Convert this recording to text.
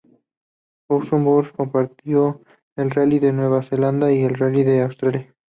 Possum Bourne compitió el Rally de Nueva Zelanda y en el Rally de Australia.